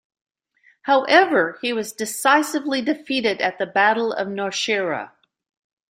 However he was decisively defeated at the Battle of Nowshera.